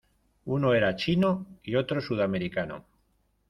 uno era chino y otro sudamericano.